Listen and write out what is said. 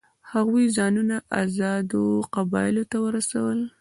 هغوی ځانونه آزادو قبایلو ته ورسول.